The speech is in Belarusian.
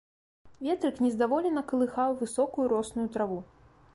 Ветрык нездаволена калыхаў высокую росную траву.